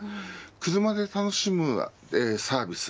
車で楽しむサービス